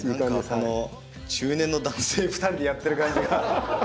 何かこの中年の男性２人でやってる感じが。